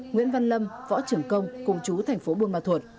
nguyễn văn lâm võ trưởng công cùng chú thành phố bùi ma thuật